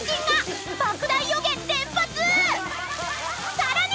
［さらに］